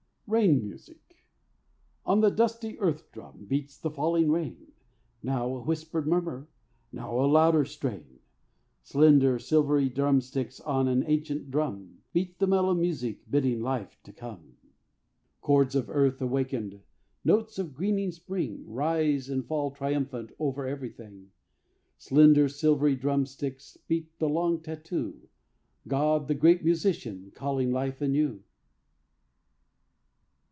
RAIN MUSIC On the dusty earth drum Beats the falling rain; Now a whispered murmur, Now a louder strain. Slender, silvery drumsticks, On an ancient drum, Beat the mellow music Bidding life to come. Chords of earth awakened, Notes of greening spring, Rise and fall triumphant Over every thing. Slender, silvery drumsticks Beat the long tattoo God, the Great Musician, Calling life anew.